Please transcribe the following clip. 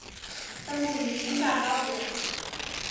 分布于青藏高原。